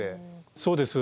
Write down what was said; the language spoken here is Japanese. そうです。